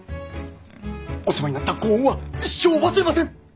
お世話になったご恩は一生忘れません！